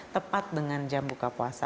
tepat dengan jam buka puasa